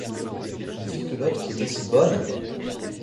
Mes viquelottes qui étaient si bonnes!